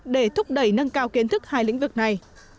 để thúc đẩy nâng cao kiến thức hai lĩnh vực này